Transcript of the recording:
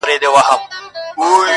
چي قاتل په غره کي ونیسي له غاره٫